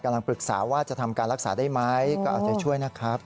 กำลังปรึกษาว่าจะทำการรักษาได้ไหมค่ะอาจจะช่วยนะครับ